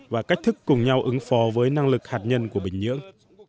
và cách thức cùng nhau ứng phó với năng lực hạt nhân của bình nhưỡng